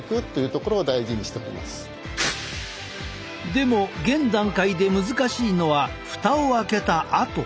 でも現段階で難しいのは蓋を開けたあと。